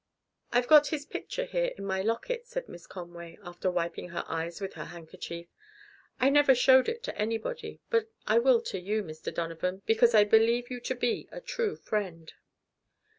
"I've got his picture here in my locket," said Miss Conway, after wiping her eyes with her handkerchief. "I never showed it to anybody, but I will to you, Mr. Donovan, because I believe you to be a true friend."